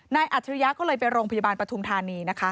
นายอัจฉริยะก็เลยไปโรงพยาบาลปทุงธานี